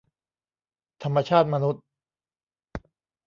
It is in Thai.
ธรรมชาติมนุษย์